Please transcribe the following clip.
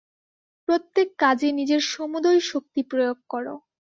প্রত্যেক কাজে নিজের সমুদয় শক্তি প্রয়োগ কর।